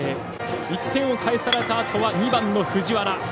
１点を返されたあとは２番、藤原。